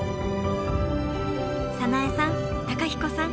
早苗さん公彦さん